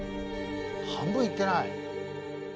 半分いってない。